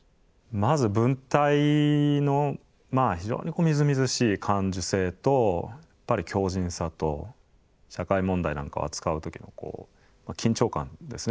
まず文体の非常にみずみずしい感受性とやっぱり強じんさと社会問題なんかを扱う時の緊張感ですね